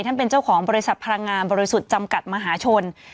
เป็นเจ้าของบริษัทพลังงานบริสุทธิ์จำกัดมหาชน